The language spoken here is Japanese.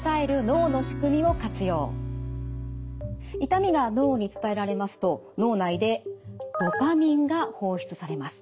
痛みが脳に伝えられますと脳内でドパミンが放出されます。